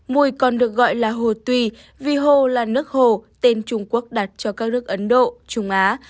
mùi còn được gọi là hồ tùy vi hồ là nước hồ tên trung quốc đặt cho các nước ấn độ trung á